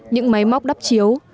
những máy móc đắp chiếu